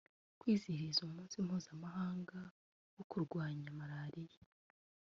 Kwizihiza umunsi mpuzamahanga wo kurwanya malariya